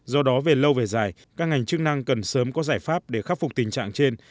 do đó về lâu về dài các ngành chức năng cần sớm có giải pháp để khắc phục tình trạng trên